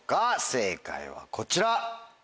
正解はこちら！